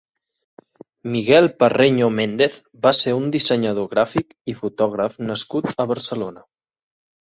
Miguel Parreño Méndez va ser un dissenyador gràfic, i fotògraf nascut a Barcelona.